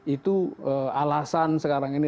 itu alasan sekarang ini